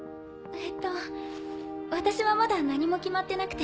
えっと私はまだ何も決まってなくて。